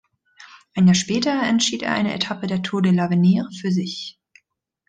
Ein Jahr später entschied er eine Etappe der Tour de l’Avenir für sich.